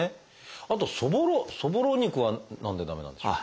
あとそぼろそぼろ肉は何で駄目なんでしょう？